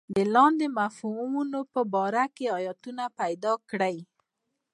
د لاندې مفهومونو په باره کې ایتونه پیدا کړئ.